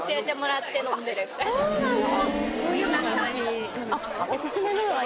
そうなの！